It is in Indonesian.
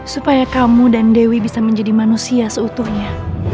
supaya kamu dan dewi bisa menjadi manusia seutuhnya